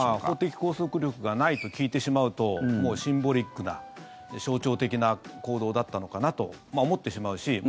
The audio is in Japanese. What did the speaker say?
法的拘束力がないと聞いてしまうともうシンボリックな象徴的な行動だったのかなと思ってしまうし